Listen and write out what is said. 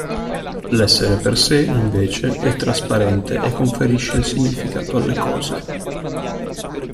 L'essere per sé invece è trasparente e conferisce il significato alle cose.